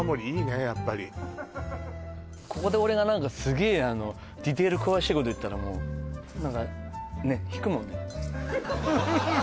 やっぱりここで俺が何かすげえディテール詳しいこと言ったらもう何かね引くもんね